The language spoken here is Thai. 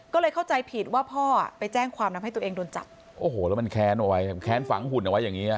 ก็เลยเข้าใจผิดว่าพ่ออ่ะไปแจ้งความทำให้ตัวเองโดนจับโอ้โหแล้วมันแค้นเอาไว้แค้นฝังหุ่นเอาไว้อย่างเงี้